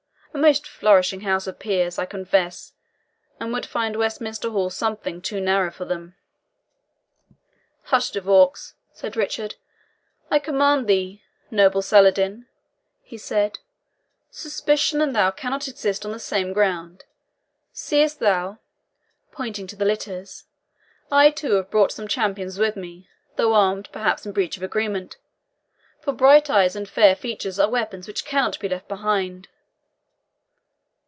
A most flourishing House of Peers, I confess, and would find Westminster Hall something too narrow for them." "Hush, De Vaux," said Richard, "I command thee. Noble Saladin," he said, "suspicion and thou cannot exist on the same ground. Seest thou," pointing to the litters, "I too have brought some champions with me, though armed, perhaps, in breach of agreement; for bright eyes and fair features are weapons which cannot be left behind."